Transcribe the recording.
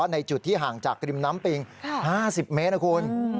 ในจุดที่ห่างจากริมน้ำปิง๕๐เมตรนะคุณ